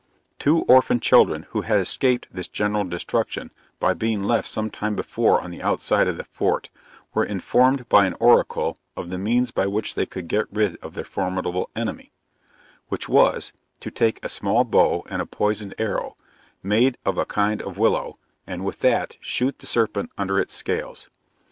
Two orphan children, who had escaped this general destruction by being left some time before on the outside of the fort, were informed by an oracle of the means by which they could get rid of their formidable enemy which was, to take a small bow and a poisoned arrow, made of a kind of willow, and with that shoot the serpent under its scales.